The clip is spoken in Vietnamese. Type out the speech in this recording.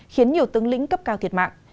khiến nhiều tướng lĩnh cấp cao thiệt mạng